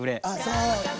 そう！